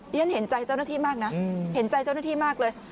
ฉันเห็นใจเจ้าหน้าที่มากนะ